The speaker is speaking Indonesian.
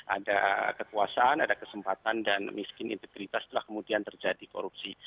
ada kekuasaan ada kesempatan dan miskin integritas setelah kemudian terjadi korupsi